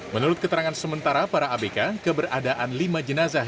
menurut keterangan sementara para abk keberadaan lima jenazah